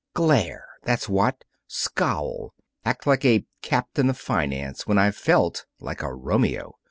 Glare, that's what! Scowl! Act like a captain of finance when I've felt like a Romeo!